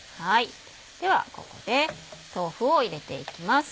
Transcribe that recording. ではここで豆腐を入れていきます。